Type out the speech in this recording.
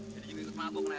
tidak gue mau ke sana